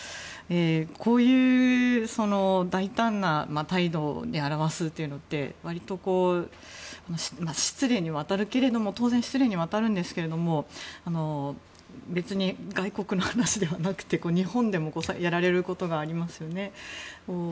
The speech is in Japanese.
こういう大胆な態度で表すというのって当然失礼には当たるんですけども別に、外国の話ではなくて日本でもやられることがありますよね。